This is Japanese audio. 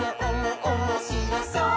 おもしろそう！」